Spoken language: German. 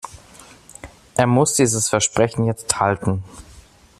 Er muss dieses Versprechen jetzt halten.